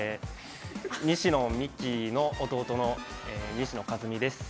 西野未姫の弟の西野一海です。